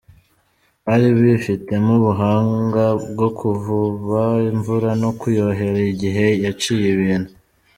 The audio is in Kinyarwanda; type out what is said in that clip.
Bari bifitemo ubuhanga bwo kuvuba imvura no kuyohera igihe yaciye ibintu.